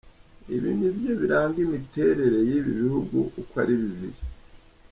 Ibi nibyo biranga imiterere y’ibi bihugu uko ari bibiri.